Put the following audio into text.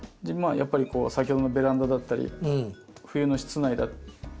やっぱり先ほどのベランダだったり冬の室内。